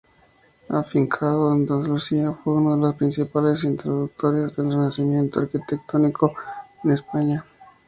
Afincado en Andalucía, fue uno de los principales introductores del Renacimiento arquitectónico en España.